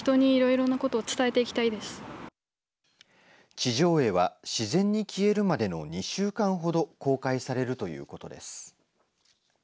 地上絵は自然に消えるまでの２週間ほど公開されるということです。